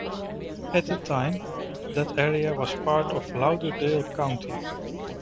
At the time, that area was a part of Lauderdale County.